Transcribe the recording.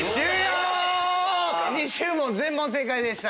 ２０問全問正解でした。